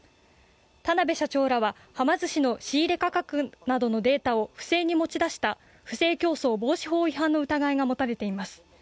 田辺社長らははま寿司の仕入れ価格などのデータを不正に持ち出した不正競争防止法違反の疑いが持たれています。